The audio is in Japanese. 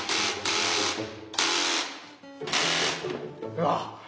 うわっ！